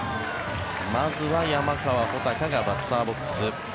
まずは山川穂高がバッターボックス。